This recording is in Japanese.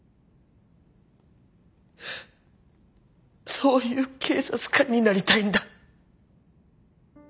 そういう警察官になりたいんだ。